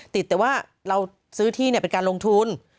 ติดแต่ว่าเราซื้อที่เป็นการลงทุน